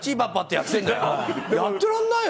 やってられないよ。